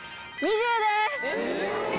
２０です！